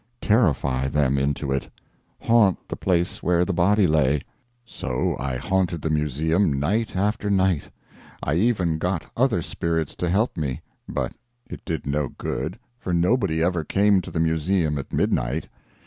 Terrify them into it! haunt the place where the body lay! So I haunted the museum night after night. I even got other spirits to help me. But it did no good, for nobody ever came to the museum at midnight.